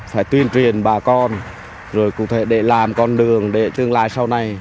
phải tuyên truyền bà con rồi cụ thể để làm con đường để tương lai sau này